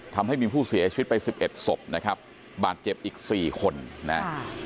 ทำให้มีผู้เสียชีวิตไปสิบเอ็ดศพนะครับบาดเจ็บอีกสี่คนนะฮะ